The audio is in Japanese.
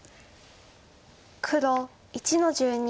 黒１の十二。